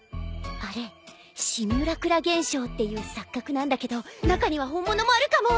あれシミュラクラ現象っていう錯覚なんだけど中には本物もあるかも！？